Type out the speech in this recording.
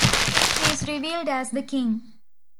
He is revealed as the King.